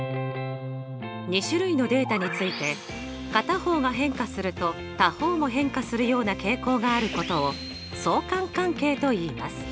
２種類のデータについて片方が変化すると他方も変化するような傾向があることを相関関係といいます。